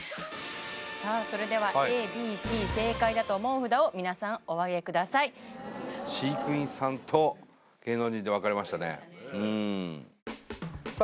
さあそれではＡＢＣ正解だと思う札を皆さんおあげください飼育員さんと芸能人で分かれましたねさあ